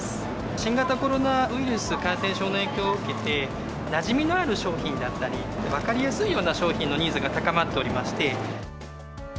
新型コロナウイルス感染症の影響を受けて、なじみのある商品だったり、分かりやすいような商品のニーズが高まっておりまして。